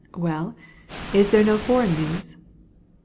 "Well, is there no foreign news?"